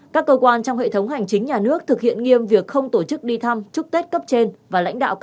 các cơ quan trong hệ thống hành chính nhà nước thực hiện nghiêm việc không tổ chức đi thăm chúc tết cấp trên và lãnh đạo